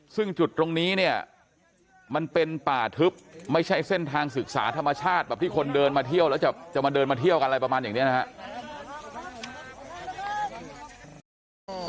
ซึ่งจุดตรงนี้เนี่ยมันเป็นป่าทึบไม่ใช่เส้นทางศึกษาธรรมชาติแบบที่คนเดินมาเที่ยวแล้วจะมาเดินมาเที่ยวกันอะไรประมาณอย่างนี้นะครับ